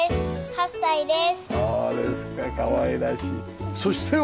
５歳です。